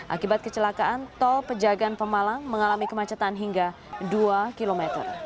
akibat kecelakaan tol pejagaan pemalang mengalami kemacetan hingga dua km